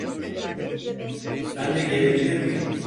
Ben de gelebilir miyim?